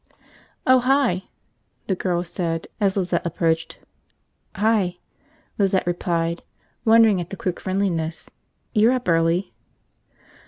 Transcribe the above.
"Oh, hi," the girl said as Lizette approached. "Hi," Lizette replied, wondering at the quick friendliness. "You're up early."